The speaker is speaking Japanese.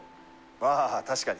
ああ確かに。